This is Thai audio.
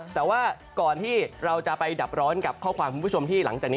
แต่ว่าก่อนที่เราจะไปดับร้อนกับข้อความคุณผู้ชมที่หลังจากนี้